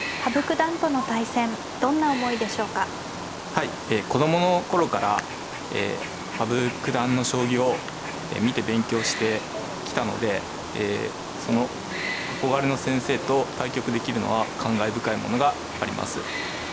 はい子供の頃から羽生九段の将棋を見て勉強してきたのでその憧れの先生と対局できるのは感慨深いものがあります。